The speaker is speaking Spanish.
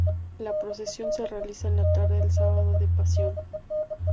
La procesión se realiza en la tarde del Sábado de Pasión.